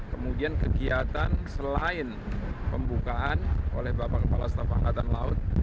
kemudian kegiatan selain pembukaan oleh bapak kepala staf angkatan laut